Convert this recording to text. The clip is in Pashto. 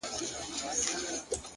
پرمختګ د ثبات او بدلون توازن دی.